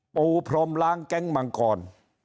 ปูพรมล้างแก๊งมังกร